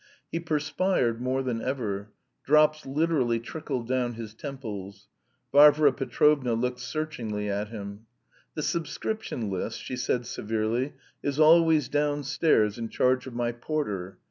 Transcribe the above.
He perspired more than ever; drops literally trickled down his temples. Varvara Petrovna looked searchingly at him. "The subscription list," she said severely, "is always downstairs in charge of my porter.